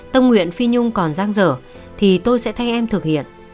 tâm nguyện phi nhung còn giang dở thì tôi sẽ thay em thực hiện